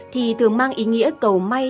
thì thường mang ý nghĩa cầu may